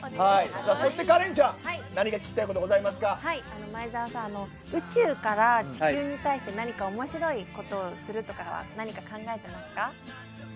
そしてカレンちゃん、何か聞前澤さん、宇宙から地球に対して何かおもしろいことをするとかは、何か考えてますか？